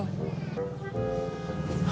aduh ampun deh